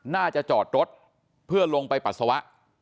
จอดรถเพื่อลงไปปัสสาวะ